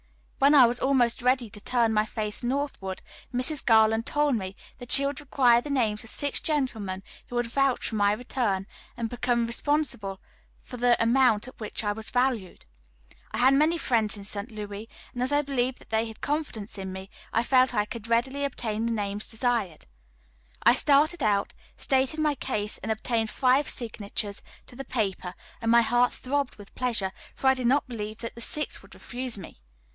When I was almost ready to turn my face northward, Mrs. Garland told me that she would require the names of six gentlemen who would vouch for my return, and become responsible for the amount at which I was valued. I had many friends in St. Louis, and as I believed that they had confidence in me, I felt that I could readily obtain the names desired. I started out, stated my case, and obtained five signatures to the paper, and my heart throbbed with pleasure, for I did not believe that the sixth would refuse me.